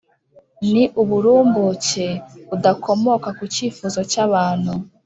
ni uburumbuke budakomoka ku cyifuzo cy’abantu